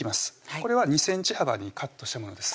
これは２ｃｍ幅にカットしたものです